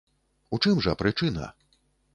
У чым жа прычына?